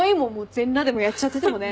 全裸でもやっちゃっててもね。